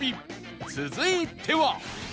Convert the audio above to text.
続いては